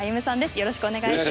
よろしくお願いします。